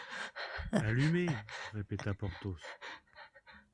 Allumez, répéta Porthos.